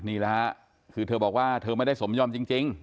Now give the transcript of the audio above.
นี่แหละฮะคือเธอบอกว่าเธอไม่ได้สมยอมจริง